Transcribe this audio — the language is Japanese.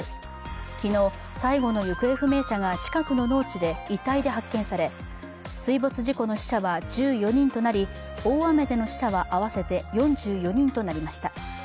昨日、最後の行方不明者が近くの農地で遺体で発見され、水没事故の死者は１４人となり大雨での死者は、合わせて４４人となりました。